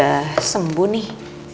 kan aku udah sembuh nih